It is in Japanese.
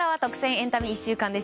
エンタメ１週間です。